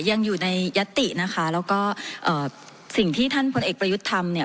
ยังอยู่ในยัตตินะคะแล้วก็เอ่อสิ่งที่ท่านพลเอกประยุทธ์ทำเนี่ย